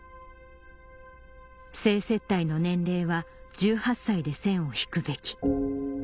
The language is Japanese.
「性接待の年齢は１８歳で線を引くべき」